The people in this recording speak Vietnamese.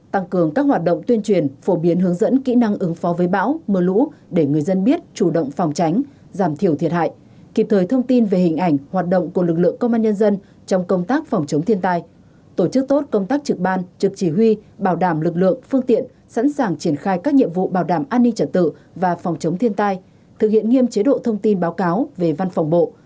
năm tăng cường các hoạt động tuyên truyền phổ biến hướng dẫn kỹ năng ứng phó với bão mưa lũ để người dân biết chủ động phòng tránh giảm thiểu thiệt hại kịp thời thông tin về hình ảnh hoạt động của lực lượng công an nhân dân trong công tác phòng chống thiên tai tổ chức tốt công tác trực ban trực chỉ huy bảo đảm lực lượng phương tiện sẵn sàng triển khai các nhiệm vụ bảo đảm an ninh trật tự và phòng chống thiên tai thực hiện nghiêm chế độ thông tin báo cáo về văn phòng bộ